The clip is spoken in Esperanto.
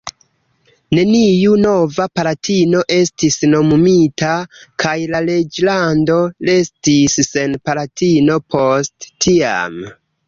Neniu nova palatino estis nomumita, kaj la reĝlando restis sen palatino post tiam.